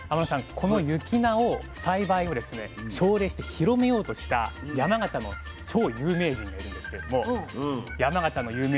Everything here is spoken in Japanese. この雪菜を栽培をですね奨励して広めようとした山形の超有名人がいるんですけれども山形の有名人といいますと？